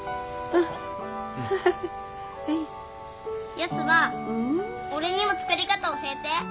ヤスば俺にも作り方教えて。